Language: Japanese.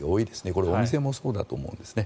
これお店もそうだと思いますね。